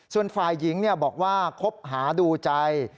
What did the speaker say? ส่วนฝ่ายหญิงบอกว่าคบหาดูใจ